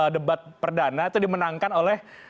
debat perdana itu dimenangkan oleh